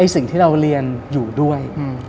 สิ่งที่เราเรียนอยู่ด้วย